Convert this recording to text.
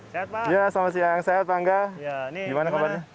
selamat siang pak angga bagaimana kabarnya